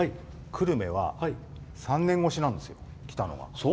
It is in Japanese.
久留米は３年越しなんですよ。